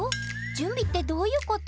準備ってどういうこと？